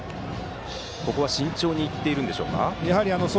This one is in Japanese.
慎重にいっているんでしょうか。